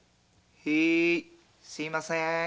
へぇいすいません。